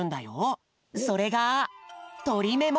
それがとりメモ。